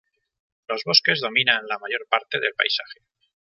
Los bosques dominan la mayor parte del paisaje.